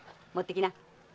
持ってきな。